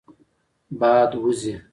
باد وزي.